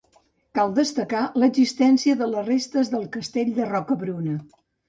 Cal destacar l'existència de les restes del Castell de Rocabruna.